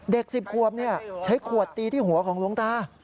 เด็ก๑๐ควบเนี่ยใช้ขวดตีที่หัวของหลวงตา